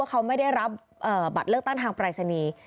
เขาไม่ได้รับบัตรเลือกตั้งทางปรายศนีย์